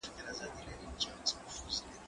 زه له سهاره چپنه پاکوم!.